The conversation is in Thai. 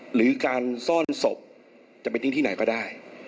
หรือการซ่อนศพจะไปทิ้งที่ไหนก็ได้